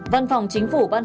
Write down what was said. văn phòng chính phủ bảo đảm